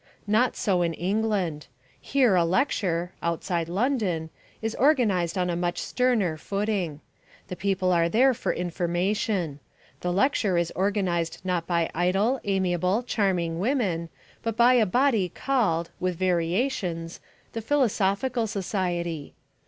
Not so in England. Here a lecture (outside London) is organised on a much sterner footing. The people are there for information. The lecture is organised not by idle, amiable, charming women, but by a body called, with variations, the Philosophical Society.